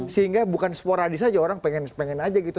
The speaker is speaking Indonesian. sehingga bukan sporadis aja orang pengen pengen aja gitu